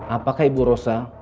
apakah ibu rosa